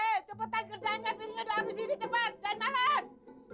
hei cepetan kerjaannya piringnya udah habis ini cepet jangan malas